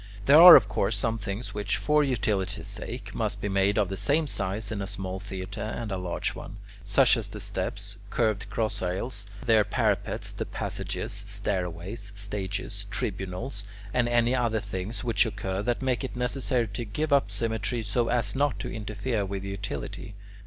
There are, of course, some things which, for utility's sake, must be made of the same size in a small theatre, and a large one: such as the steps, curved cross aisles, their parapets, the passages, stairways, stages, tribunals, and any other things which occur that make it necessary to give up symmetry so as not to interfere with utility.